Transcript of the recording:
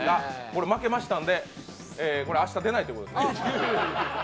これ負けましたので、明日出ないということですね。